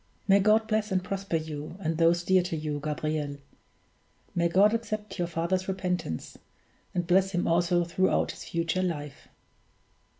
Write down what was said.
May God bless and prosper you, and those dear to you, Gabriel! May God accept your father's repentance, and bless him also throughout his future life!"